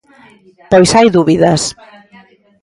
Pois hai dúbidas.